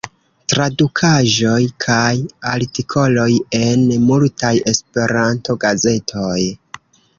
Tradukaĵoj kaj artikoloj en multaj Esperanto-gazetoj.